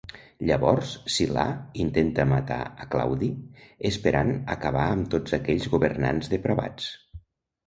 Llavors, Silà intenta matar a Claudi esperant acabar amb tots aquells governants depravats.